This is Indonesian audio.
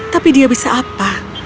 tapi dia bisa apa